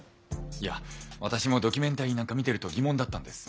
いや私もドキュメンタリーなんか見てると疑問だったんです。